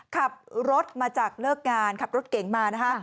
ขับรถมาจากเลิกงานขับรถเก่งมานะคะ